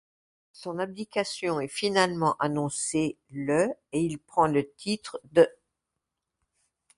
Son abdication est finalement annoncée le et il prend le titre d'.